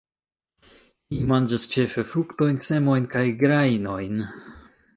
Ili manĝas ĉefe fruktojn, semojn kaj grajnojn.